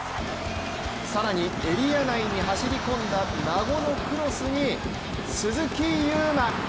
更にエリア内に走り込んだ名古のクロスに鈴木優磨。